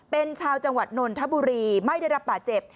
เป็นชาวจังหวัดนนทบุรีไม่ได้รับบาดเจ็บ